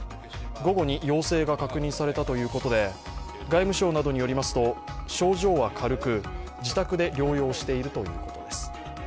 午後に陽性が確認されたということで外務省などによりますと、症状は軽く、自宅で療養しているということです。